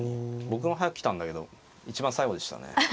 僕も早く来たんだけど一番最後でしたね。